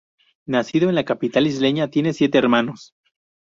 Nacido en la capital isleña, tiene siete hermanos.